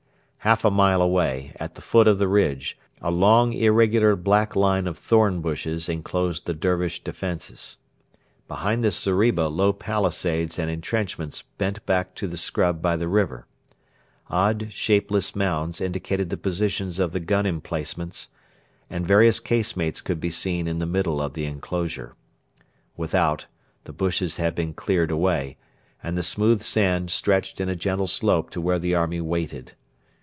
Half a mile away, at the foot of the ridge, a long irregular black line of thorn bushes enclosed the Dervish defences. Behind this zeriba low palisades and entrenchments bent back to the scrub by the river. Odd shapeless mounds indicated the positions of the gun emplacements, and various casemates could be seen in the middle of the enclosure. Without, the bushes had been cleared away, and the smooth sand stretched in a gentle slope to where the army waited.